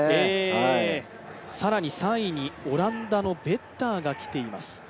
更に３位にオランダのベッターが来ています。